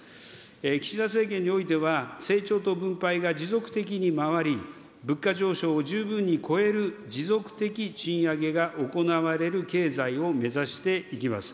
岸田政権においては、成長と分配が持続的に回り、物価上昇を十分に超える持続的賃上げが行われる経済を目指していきます。